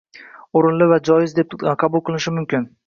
o’rinli va joiz deb qabul qilinishi mumkin